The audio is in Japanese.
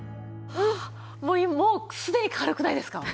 もうすでに軽くないですか？